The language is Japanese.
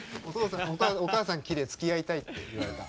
「お母さんきれいつきあいたい」って言われた。